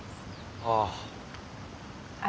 ああ。